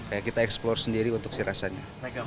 ya kita eksplor sendiri untuk si rasanya